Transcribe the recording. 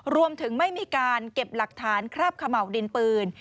รวมถึงไม่มีการเก็บหลักฐานคราบเขม่าวดินปืน